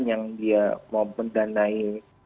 yang dia mau mendanai